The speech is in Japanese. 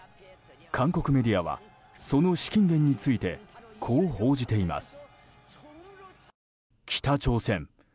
韓国メディアはその資金源についてこう報じています。